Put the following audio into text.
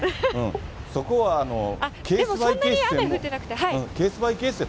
そこはケースバイケースで。